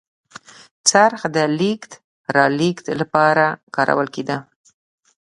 څرخ د لېږد رالېږد لپاره کارول کېده.